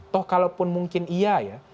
toh kalaupun mungkin iya ya